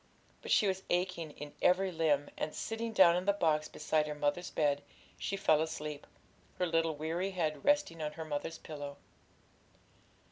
But she was aching in every limb, and, sitting down on the box beside her mother's bed, she fell asleep, her little weary head resting on her mother's pillow.